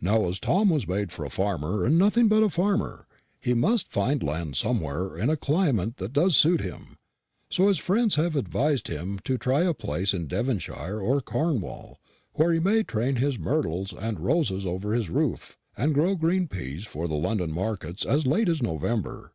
"Now as Tom was made for a farmer and nothing but a farmer, he must find land somewhere in a climate that does suit him; so his friends have advised him to try a place in Devonshire or Cornwall, where he may train his myrtles and roses over his roof, and grow green peas for the London markets as late as November.